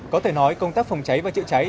có thể nói công tác phòng cháy và chữa cháy